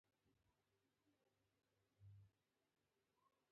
په دې کال کې د غلو دانو حاصل ډېر ښه و